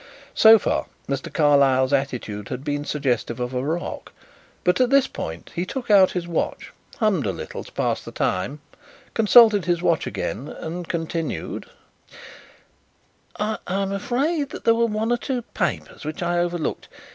So far Mr. Carlyle's attitude had been suggestive of a rock, but at this point he took out his watch, hummed a little to pass the time, consulted his watch again, and continued: "I am afraid that there were one or two papers which I overlooked.